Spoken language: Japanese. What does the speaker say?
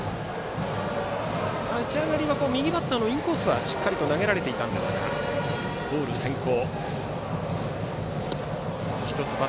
立ち上がりは右バッターのインコースはしっかり投げられていたんですがボール先行。